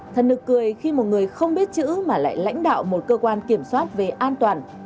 thần nực cười khi một người không biết chữ mà lại lãnh đạo một cơ quan kiểm soát về an toàn